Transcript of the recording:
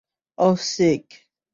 ওহ, sick!